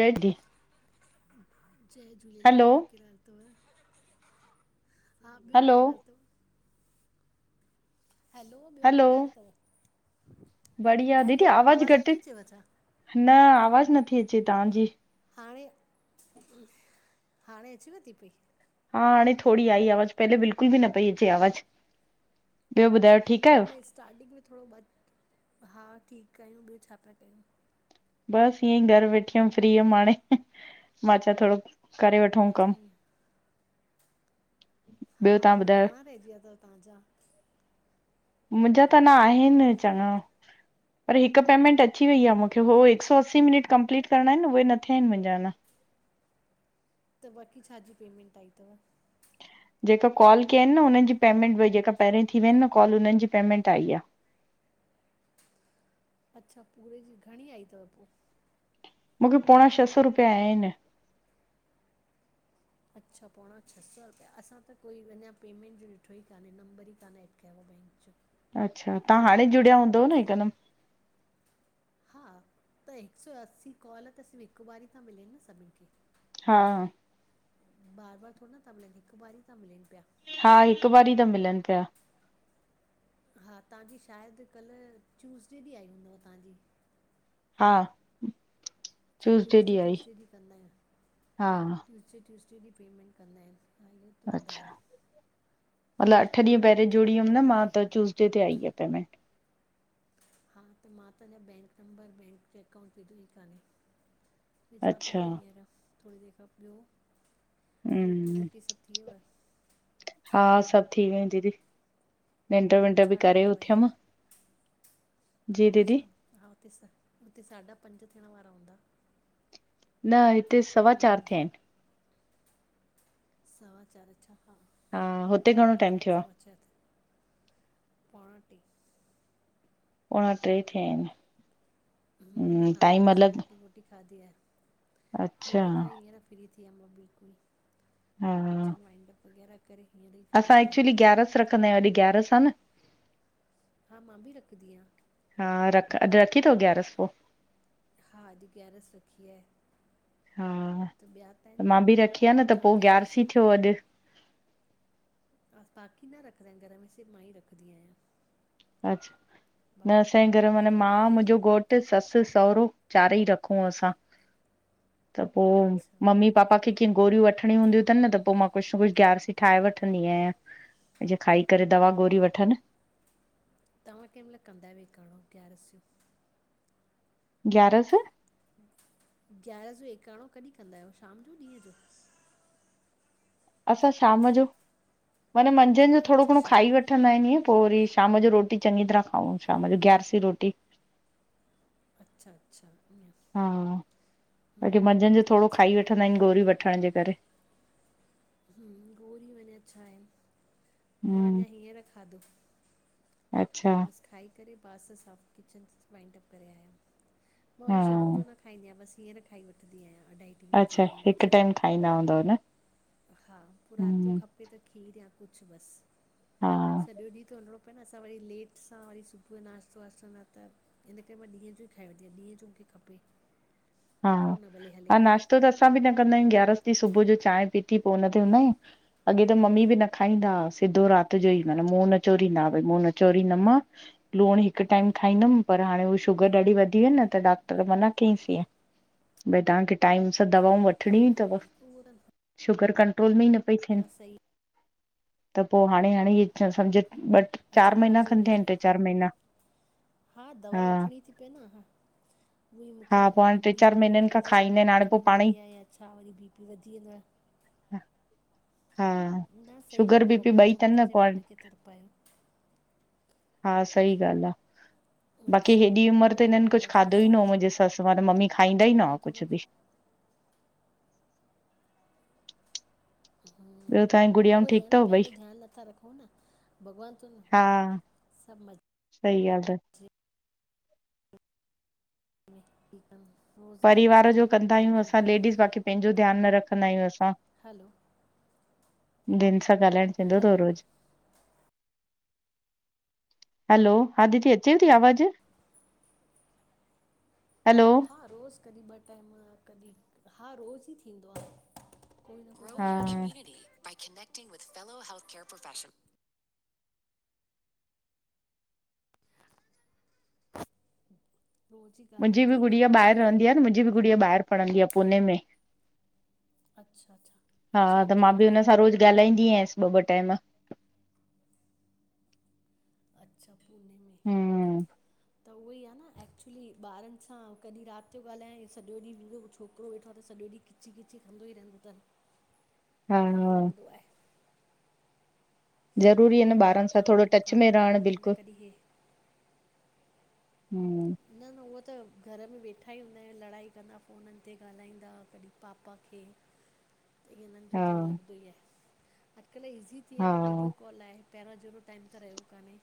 जल्दी। जय झूलेलाल! हलो ॿियो, केरो हाल तव? हा! ॿियो हलो कहिड़ा हाल तव? अथव हा ॿियो कहिड़ा हाल अथव हैलो ॿियो हलो! कहिड़ा हाल अथव बढ़िया! दीदी हैलो आवाज आवाज़ घट नथी अचेव छा न! आवाज़ु नथी अचे तव्हांजी। हाणे, हाणे अचेव ती पई? हा! हाणे थोड़ी आई आवाज़ु, पहले बिल्कुल बि न पई अचे आवाज़ु। ॿियो ॿुधायो ठीकु आहियो? न स्टार्टिंग में थोड़ो ब हा, ठीकु आयूं, ॿियो छा पिया कयो? बस ईयईं घरु वेठी हुअमि फ्री हुअमि हाणे मां छा थोड़ो करे वठऊं अच्छा कमु। ईअं हा! ॿियो तव्हां ॿुधायो घणा रहिजी विया तव तव्हांजा? मुंहिंजा त अना आहिनि चङा। पर हिकु पेमेंट अची वई आ मूंखे। हो, हिक सौ असी मिनट कंप्लीट करणा आहिनि न। उहे न थिया आहिन मुंहिंजा अना। त बाक़ी छा जी पेमेंट आई अथव? जेका कॉल कया आहिनि न। उननि जी पेमेंट हुई जेका पहिरीं थी विया आहिनि न कॉल उननि जी पेमेंट आई आ। अच्छा! पूरे जी, घणी आई तव पोइ? मूंखे पोणा छह सौ रुपया आया आहिनि। अच्छा! पोणा छह सौ रुपया। असां त कोई अञा पेमेंट जो ॾिठो ई कान्हे नंबर ई कान एॾ कयोआ बैंक जो। अच्छा तव्हां हाणे जुड़िया हूंदव न हिकदमि हा त हिक सौ अस्सी कॉल त सिर्फ़ु हिकु वारी था मिलनि न सभिनि खे हा हा बार बार थोड़ी न था मिलनि हिकु बार ई था मिलेनि पिया हा हिकु बारी त मिलनि पिया हा तव्हांजी शायदि कल्ह ट्यूसडे ॾींहुं आई हुंदव तव्हांजी हा सिर्फ ट्यूसडे ट्यूसडे ॾींहुं कंदा आहियूं हा ट्यूसडे ट्यूसडे ॾींहुं पेमेंट कंदा आहिनि तव्हां इहो त ॿुधायो अच्छा मतिलबु अठ ॾींहुं पहिरें विधो ई जुड़ी हुयमि अञा न बै मा त ट्यूसडे ते आई आ पेमेंट अउं त मां त अञा बैंक नंबर बैंक जो अकाउंट विधो ई कोन्हे विझां थी अच्छा पई हींअर थोरी देरि खां ॿियों रोटी हम्म वोटी सभु थियव हा सभु थी वयूं दीदी निंड विंड बि छा करे ठातव अॼु उथियमि जी अच्छा दीदी हा हुते हुते साॾा पंज थियण वारा हूंदा न हिते सवा चारि हम्म, थिया आहिनि सवा चार छा हा हुते हा घणो राइट टाइम राइट थियो आहे सवा चार पोणां टे पोणां टे थिया आहिनि हुं हम्म, हाणे न टाइम अलॻि असां रोटी वोटी खाधी आहे अच्छा रोटी खाई हींअर फ्री थी वियमि मां बिल्कुलु हा किचन वाइंडअप वग़ैरह करे हींअर ई फ्री असां थी आहियूं एक्चुली ग्यारस रखंदा आहियूं अॼु ग्यारस आ न। हा मां बि रखदीआं। हा रख अॼु रखी तव ग्यारस पो हा अॼु ग्यारस रखी आहे हा त ॿिया त आहिनि मां बि रखी आ न त तव्हां पो ग्यारस ग्यारसी थियो अॼु बाक़ी न रखंदा आहिनि घर में सिर्फ़ मां ई रखंदी आहियां अच्छा न बाक़ी कान असांजे घर में रखंदा आहिनि मां मुंहिंजो घोटु ससु सहुरो चारेई रखूं असां त पोइ अच्छा मम्मी पापा खे कीअं गोरियूं वठणी हूंदियूं अथनि त पोइ मां कुझु न कुझु ग्यारसी ठाहे वठंदी आहियां जियं खाई करे दवा गोरी वठनि तव्हां केंहिं महिल कंदा आहियो एकाणो ग्यारस जो ग्यारह ग्यारस जो एकाणो कॾहिं कंदा आहियो शाम जो ॾींहुं जो असां शाम जो माना मंझंदि जो थोड़ो अच्छा घणो अच्छा खाई वठ वठंदा आहिनि इअं पोइ वरी शाम जो रोटी चङी तरह खाऊं शाम जो ग्यारसी रोटी अच्छा अच्छा ईअं हा बाक़ी हम्म मंझंदि जो थोड़ो खाई सही आहे वठंदा आहिनि गोरी वठण जे करे हुं गोरी में छा आहे मां हम्म अञा हींअर खाधो अच्छा बसि खाई करे किचन बासंण साफ किचव वाइंडअप करे आयलि मा हा वरी शाम जो न खाईंदी आहिया, बसि हींअर खाई वठंदी आहिया अढाई। टी बजे अच्छा ॿी हिकु बजे टाइम खाईंदा हूंदव न? हा, पो राति जो हम्म खपे त खीरु या कुझु हा बसि सॼो ॾींहुं त हुलणो न असां वरी लेट सां वरी सुबुह जो नाश्तो वाश्तो न त इन करे मां ॾींहुं जो ई खाए वठी आहियां, ॾींहं जो मूंखे खपे। हा, पोइ न भले हले हा नाश्तो त असां बि न कंदा आहियूं ग्यारस ॾींहुं सुबुह जो चांहि पीती पो हुन ते हूंदा आहियूं। अॻे त मम्मी बि न खाईंदा आ, सिधो राति जो ई माना मुंहुं न चोरींदा भई मुंहुं न चोरींदमा। लूणु हिकु टाइम खाईंदमि पर हाणे हूअ शुगर ॾाढी वधी वई न त डॉक्टर मना कईंसींं हिय। भई तव्हांखे टाइम सां दवाऊं वठणियूं हम्म ई तव, उहो त शुगर कंट्रोल में ई न पई थीअन, हा सही त पो हाणे हाणे हे समझ ॿ चार अच्छा महीना आवाज़ उहो खनि थिया आहिनि, कजे टे चार महीना, हा। हि थी पए न, हा उअंई हा मूंखे पोइ हाणे टे चारि बीपी महीननि खां वग़ैरह जी खाईंदा दवाई आहिनि हाणे पोइ वठिणी पाण हूंदी ई आ या छा, वरी बीपी वधी वेंदो आ। ह हा शुगर, बीपी ॿई तनि न पो हाण। त पयो हा सही ॻाल्हि आ। बाक़ी अच्छा हेॾी उहो उमिरि त ई आहे हिननि कुझु उमिरि जे खाधो ई हिसाब न हो सां मुंहिंजी ससु वारा, मम्मी खाईंदा ई न भॻवानु हुआ थोरो कुझु बि। ॿियो तव्हांजी गुड़ियाऊं उहो ईं ठीकु आ न, थव ॿई? पंहिंजो ध्यानु नथा रखऊ न, भॻवान थो न हा सभु म सही ॻाल्हि त ठीकु आ न पो परिवार जो कंदा आहियूं असां लेडीज़, बाक़ी पंहिंजो ध्यानु न रखंदा आहियूं असां। हलो दिन सां ॻाल्हाइण थींदो तव हैलो रोज़ु? हलो, हा दीदी अचेव ती आवाज़? हलो हा रोज़ु कॾी ॿ टाइम कॾी, हा रोज़ु ई थींदो आ। हा [unintelligible] connecting with fellow health care profession रोज़ ई ॻाल्हाए मुंहिंजी बि थी गुड़िया वेंदो ॿाहिरि आहे रहंदी आ न, मुंहिंजी बि गुड़िया ॿाहिरि पढ़ंदी आ पूने में। अच्छा अच्छा, हा अच्छा त हिते मां बि कानि हुन सां तव। रोज़ ॻाल्हाईंदी आयासि ॿ ॿ टा़इम। अच्छा पूने में, हम्म त उहई आ न ए एक्चुली ॿारनि सां कॾी रात जो ॻाल्हाय सॼो ॾींहुं मुहिजो हो छोकिरो वेठो आ त सॼो ॾींहुं खिची खिची कंदो ई रहंदो तनि। हा त इएं लॻंदो आहें। ज़रूरी आ ॾींहुं न कोई हे ॿारनि सां काम थोडो उहो टच काम में रहणु ॻाल्हाईंदा बिल्कुलु कॾहिं हे हूम्म न न, उह त घर में वेठा ईं हूंदा आहिनि, लड़ाई कंदा, फ़ोननि ते ॻाल्हाईंदा, कॾी पापा खे [inaudible] त इननि जो त हा ईय लॻंदो ई आहे, अॼुकल्ह ईज़ी थी हा, वियो आ वीडियो कॉल आहें पहिरों जहिड़ो टाइम त रहियो कान्हे।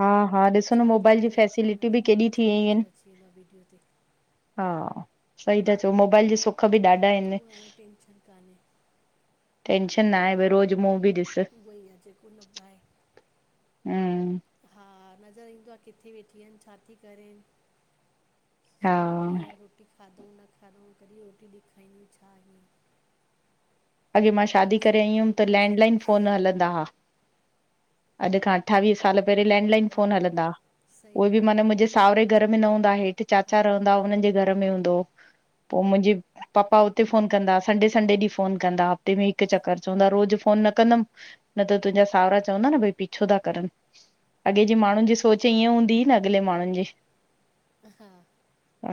हा हा ॾिसो न मोबाइल जी फैसिलिटी ब़ि परेसां बि नज़र अची वेंदो आ वीडियो ते हा सही ता चओ मोबाइल ॾिसो हा तू हाणे टेन्शन कान्हे। टेंशन न आहे, भई रोज़ मु बि ॾिस। उहो ई आ, जेको न पाए [unintelligible] हम हा, नज़र ईंदो आ, किथे वेठी आहिनि, छा थी करे। हा, सुम्ही पई आहिन रोटी खाधऊं न खाधऊं कॾहिं रोटी ॾेखारींदियूं छा ईअं अॻे मां शादी बसि करे इहो आई हुयमि टाइम त पास थी वियो लैंडलाइन फ़ोन हलंदा हुआ। अॼु खां अठावीह साल पहिरि लैंडलाइन हा फोन हलंदा आ सही उए बि माना मुंझे सावरे घर में न हूंदा आ, हेठि हा चाचा रहंदा, हुननि जे घर में हूंदो हो, पो मुंहिंजी पपा हुते फोन कंदा, संडे संडे ॾींह फोन कंदा, हफ़्ते में हिक चक्कर, चवंदा रोज फोन न कंदमि। न त तुंहिंजा सावरा चवंदा न भईं पीछो था करनि। अॻे जे माण्हुन जी सोच ईअं हूंदी न, अॻिले माण्हुन जी हा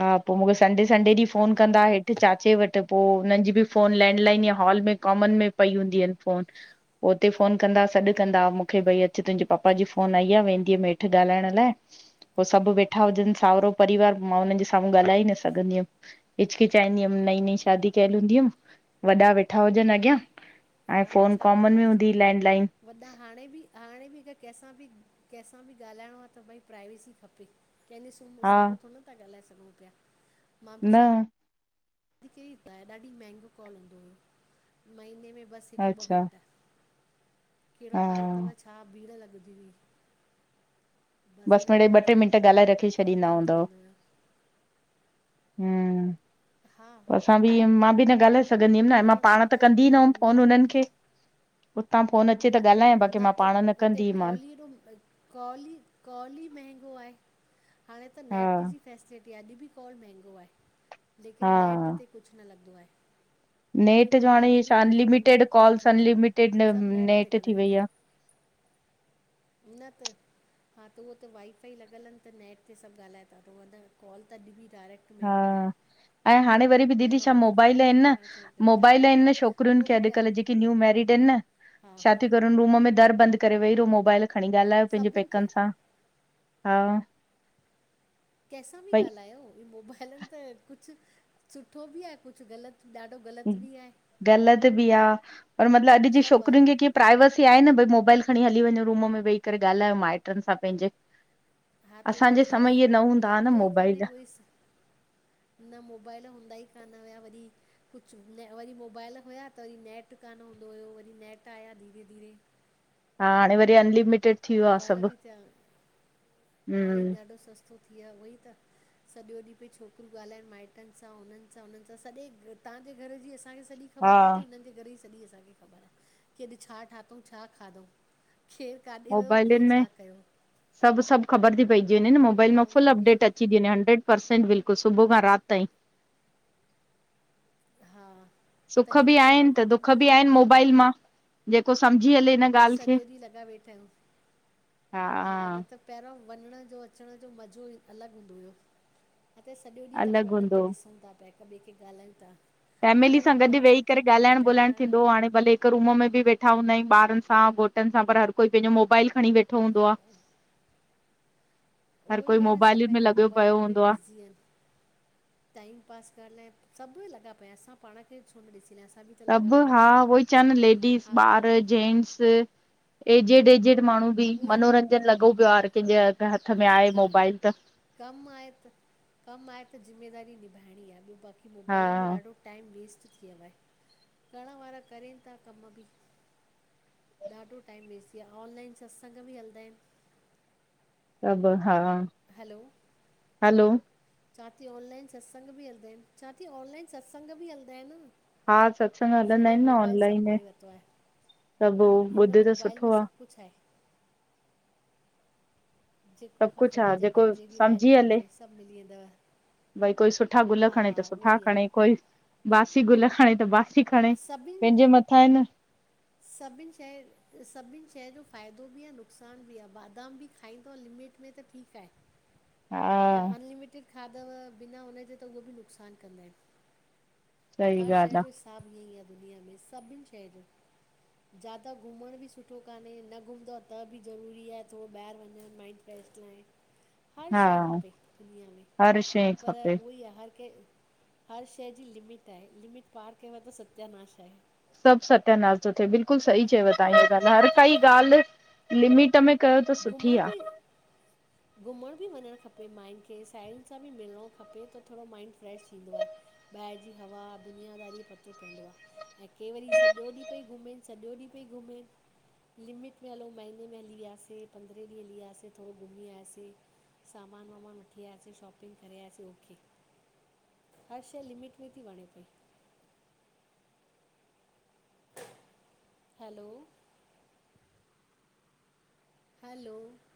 हा, पो मूंखे संडे संडे ॾींह हा फोन हा कंदा, हेठि चाचे वट। पो हुननि जी बि फोन लैंडलाइन या हॉल में कॉमन में पई हूंदी आहिन फोन पो हुते फोन कंदा सॾु कंदा मूंखे भई अच तुंहिंजे पपा जी अच्छा फोन आईं आ वेंदीअ मे हेठि ठ ॻाल्हाइण लाइ पो सब वेठा हुजनि साहुरो परिवार मां उननि जे साम्हूं ॻाल्हाए ई न सघंदी हुअमि। हिचकिचाईंदी हुअमि नई नईं शादी कयल हूंदी हुअमि वॾा वेठा हुजनि अॻियां ऐं तव्हां फोन छा कॉमन में ॻाल्हाइजे हूंदीही लैंडलाइन वॾा हाणे बि हाणे बि कंहिंसां बि कंहिंसां बि ॻाल्हाइणो आहे त भई प्राइवेसी खपे कंहिं कहिंजे हा साम्हूं थोड़नता ॻाल्हाए सघऊं प्या मां बि न शादी [unintelligible] ॾाढी महांंगो कॉल हूंदो हो महीने में बस बस हिक ॿ अच्छा मिंट कहिड़ो हा हाल तव छा भीड़ लॻंदी हुई। बसि इन खां मिड़ेई ॿ टे वधीक मिंट कान ॻाल्हाए रखी फट छॾींदा ख़तमु थी हूंदव वेंदो हुयो। हम्म। हा पो असां उहो बि ई मां बि न ॻाल्हाए सघंदी हुअमि न मां फ़ोन पाण त हूंदा हुया कंदी न मुंहिंजी हुअमि फोन मम्मी हुनननि खे उतां फोन अचे त ॻाल्हायां बाक़ी न मां पाण न कंदीहीमान। कॉल ई कॉल ई महंगो आहे हाणे त हा नेट जी फैसिलिटी टी अॼु बि कॉल महंगो आहे लेकिन नेट हा ते कुछ न लॻंदो आहे। नेट जो फ़ोन त हाणे अॼु बि छा वीह अनलिमिटेड पंजवीह रुपया कॉल्स कुझु अथनि अनलिमिटेड लेकिन सभु ते नेट थी वेई ॻाल्हाइण आ। न त हा त उहो त वाई फाई लॻलनि त नेट ते सब ॻाल्हाए था तञ कॉल त अॼु बि डायरेक्ट टी महांगो आहे। हा ऐं हाणे वरी दीदी पहिरों छा वधीक मोबाइल महांगो आहिन न हूंदो हाणे थोरो घटि आहे उहो मोबाइल ई आहिन न छोकरियुनि उहो खे बि टाइम अॼुकल्ह जेके न्यू मेरिड आहिन न हा। [unintelligible] रूम में दर बंदि करे वेही रहो मोबाइल खणी ॻाल्हायो पंहिंजे सभिनि पैकनि खे सां हा। कंहिंसां बि भई ॻाल्हायो ह मोबाइलनि त कुछ सुठो बि आहे कुछ ग़लत ॾाढो गलत ग़लत बि आ पर मतलब अॼु जे सभु आहे छोकिरियुनि खे की प्राइवेसी आहे न भई मोबाइल खणी हली वञो रूम में वेही करे ॻाल्हायो माइट्रनि सां पंहिंजे। हा त उहो असांजे समय इहे न त हूंदा [unintelligible] हा न लॻदो ई मोबाइल कान्हे उहे ईस् न मोबाइल हूंदा ई कान हुया वरी कुछ बि न, वरी मोबाइल हुया त वरी नेट कान हूंदो हुयो, वरी नेट आया धीरे धीरे। हा, हाणे वरी अनलिमिटेड। थी वियो आ मोबाइल सभु बि थ्या, हाणे हम्म ॾाढो सस्तो थी व्यो आ उहोई त। सॼो ॾींहुं पई छोकिरयूं ॻाल्हाइन माइटन सां, हुनन सां हुनन सां, सॼे तहांजे घर जी असांखे स सॼी ख़बर हा पै थी, हुनन जे घर जी स सॼी असांखे ख़बर आ, कि अॼ छा ठाथऊं छा खाधऊं खेर मोबाइल्युन में, सभ सभ ख़बर थी पइजी वञे न, मोबाइल हा मां उहो फुल ई अपडेट अचे आहे अची थी वञे, हंड्रेड परसेंट, बिल्कुल सुबूह खां रात ताईं। हा, सुख तॾी बि त प्यार आहिनि ख़तम दुख थी बि व्या एन, आहिनि दुनिया में। मोबाइल मां जेको सम्झी हले न की सॼो ॾींह लॻा वेठायूं, हा न त पैरों वञण जो, अचण जो, मज़ो ही अलॻ हूंदो हुयो। हा त, सॼो ॾींह त अलॻि फ़ोनन ते हूंदो ॾिसूं ता प्या, हिक ॿे खे ॻाल्हायूं ता। फैमली सां गॾ वेही करे, ॻाल्हाइण ॿोलाइण वारा थींदो हो, हाणे भले हिक रूम में बि वेठा हूंदायूं, ॿारन सां, घोटन सां, पर हर कोई पेंजो मोबाइल खणी वेठो हूंदो आ। हर कोई उहेई आ न, सभ मोबाइलुनि में पैंजे लॻियो पियो मोबाइलन हूंदो में आ बिज़ी एन। टाइम पास करण लाइ, सभ लॻा पया, असां पाण खे छो न ॾिसीं लायूं, असां बि त लॻा सभ पिया हा आहिनि उहोई, चांन लेडीस, हा ॿार, जेंट्स एजेड एजेड माण्हूं बि, उहो ई आहे न मनोरंजन लॻो प्यो आ, हर केंजे हथ में आहे मोबाइल त। कम आहे त, कम आहे त ज़िमेदारी निभाइणी आ, ॿयो बाक़ी हा मोबाइलन में ॾाढो टाइम वेस्ट थीवयो आहे, करण वारा करैन ता कम बि। ॾाढो टाइम वेस्ट थी यो आ, ऑनलाइन सत्संग बि हलंदा एन। सभ हा हलो! हलो चांय थी ऑनलाइन सत्संग बि हलदा एन, चां थी ऑनलाइन सत्संग बि हलदा एन। हा सत्संग हलंदा सॼो आहिनि न मोबाइल सब ऑनलाइन में करे वतो आहे। सभु इन, इन ॿुध त मोबाइल में सुठो आ सब कुछ आहे। जी जेको सभु कुझु खपेव, आ जेंखे जेको जेड़ी लाइन सम्झी हले खपे, सभ मिली वेंदव। भई कोई सुठा गुल हा खणे त उहो सुठा ई खणे, आहे कोई बासी गुल खणे त बासी सभिन - - सभिन शै, सभिन शै जो फ़ाइदो बि आ, नुक़सान बि आ, बादाम बि खाईंदौ लिमिट में, त ठीक आहे। हा त अनलिमिटेड खाधव, बिना हुनजे, त उहे बि नुक़सान कंदा एन। सही हर शै ॻाल्हि आहे जो हिसाब ईंअंईं आ दुनिया में, सभिन शै जो। ज्यादा घुमण बि सुठो कान्हें, न घुमंदौ त बि ज़रूरी आहे, थोरो ॿाहिर वञण माइंड फ्रैश थी वञे। - - हर शै खपे दुनिया में, शइ पर खपे उहोई आ, हर कंहिं हर शै जी लिमिट आहे, लिमिट पार क्यव त सत्यानाश आहे। सभ सत्यानाश तो थे, बिल्कुल सही चयव, तहां हीअ ॻाल्ह, हर काई ॻाल्ह लिमिट में कयो त सुठी घुमण आ बि घुमण बि वञणु खपे माइंन खे साहेड़ियुन सां बि मिलिणो खपे त थोॾो माइंड फ्रैश थींदो आ। ॿाहिर जी हवा दुनियादारी जो पतो पवंदो आ। ऐं के वरी सॼो ॾींहुं पई घुमेन। सॼो ॾींहुं पई घुमेन लिमिट में हलऊ महीने में हली वियासे। पंद्रहें ॾींहं लियासीं थोॾो घुमी आयासीं। सामान वामान वठी आयासीं शॉपिंग करे आयासीं ओके। हर शइ लिमिट में थी वणे पई। हैलो - - हलो - -